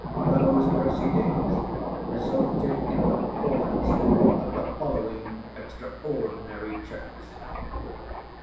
Those proceedings resulted in the performance of the following extraordinary tricks.